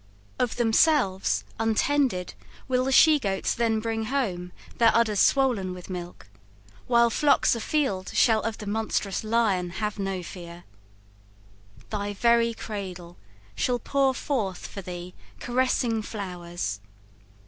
Of themselves, Untended, will the she goats then bring home Their udders swollen with milk, while flocks afield Shall of the monstrous lion have no fear. Thy very cradle shall pour forth for thee Caressing flowers.